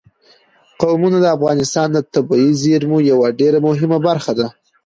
قومونه د افغانستان د طبیعي زیرمو یوه ډېره مهمه برخه ده.